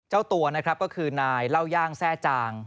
เจ้าตัวนะครับก็คือนายเล่าย่างแทร่จาง